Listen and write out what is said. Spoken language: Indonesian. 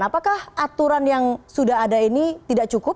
apakah aturan yang sudah ada ini tidak cukup